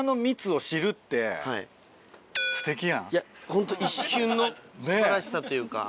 ホント一瞬の素晴らしさというか。